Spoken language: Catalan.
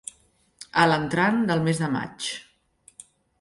A l'entrant del mes de maig.